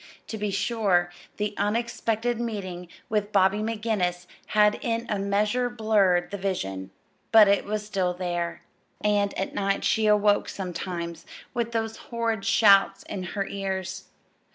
To be sure, the unexpected meeting with Bobby McGinnis had in a measure blurred the vision, but it was still there; and at night she awoke sometimes with those horrid shouts in her ears.